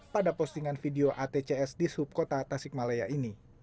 pada postingan video atcs di subkota tasikmalaya ini